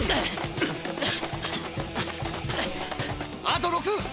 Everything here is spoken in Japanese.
あと６３！